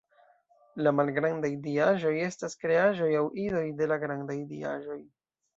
La malgrandaj diaĵoj estas kreaĵoj aŭ idoj de la grandaj diaĵoj.